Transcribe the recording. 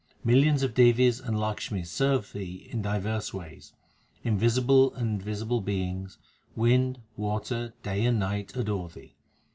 HYMNS OF GURU ARJAN 321 Millions of Devis and Lakshmis serve Thee in divers ways. Invisible and visible beings, wind, water, day and night adore Thee.